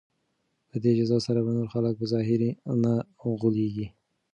په دې جزا سره به نور خلک په ظاهر نه غولیږي.